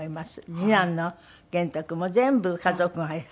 次男の玄兎君も全部家族が入ってる。